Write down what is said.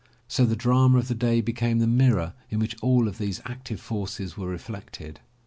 So the drama of the day became the mirror in which all these active forces were reflected.